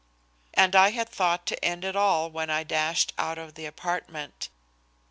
And I had thought to end it all when I dashed out of the apartment!